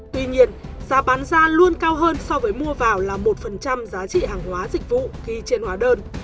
tuy nhiên giá bán ra luôn cao hơn so với mua vào là một giá trị hàng hóa dịch vụ ghi trên hóa đơn